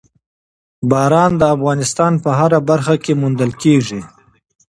باران د افغانستان په هره برخه کې موندل کېږي.